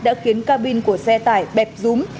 đã khiến cabin của xe tải bẹp rúm